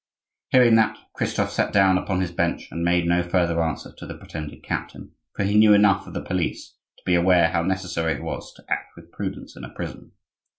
Hearing that, Christophe sat down upon his bench and made no further answer to the pretended captain, for he knew enough of the police to be aware how necessary it was to act with prudence in a prison.